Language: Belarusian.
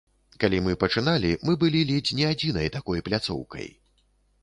Калі мы пачыналі, мы былі ледзь не адзінай такой пляцоўкай.